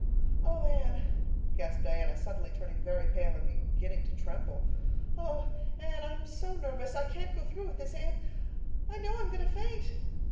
"Oh, Anne," gasped Diana, suddenly turning very pale and beginning to tremble. "Oh, Anne—I'm so nervous—I can't go through with it—Anne, I know I'm going to faint."